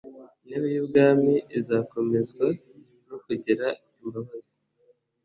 Intebe y ubwami izakomezwa no kugira imbabazi